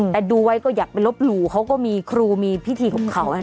แต่ดูไว้ก็อยากไปลบหลู่เขาก็มีครูมีพิธีของเขา